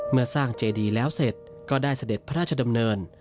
เมื่อสร้างเจดีแล้วเสร็จก็ได้เสด็จพระราชดำเนิน